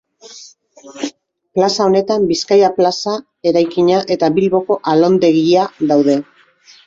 Plaza honetan Bizkaia Plaza eraikina eta Bilboko Alondegia daude.